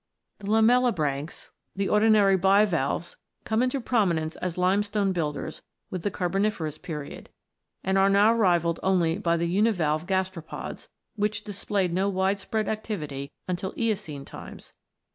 The lamellibranchs, the ordinary bivalves, came into prominence as limestone builders with the Carboniferous period, and are now rivalled by the univalve gastropods, which displayed no Avidespread activity until Eocene times.